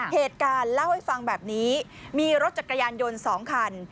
เหตุการณ์เล่าให้ฟังแบบนี้มีรถจักรยานยนต์๒คัน